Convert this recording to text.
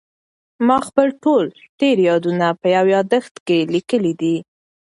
ما خپل ټول تېر یادونه په یو یادښت کې لیکلي دي.